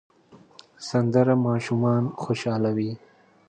سندره ماشومان خوشحالوي